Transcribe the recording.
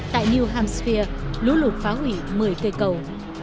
tại new hamsia lũ lụt phá hủy một mươi cây cầu